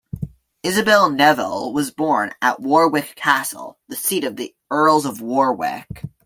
Isabel Neville was born at Warwick Castle, the seat of the Earls of Warwick.